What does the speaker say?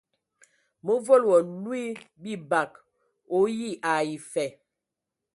Mǝ volo wa lwi bibag o ayi ai fa.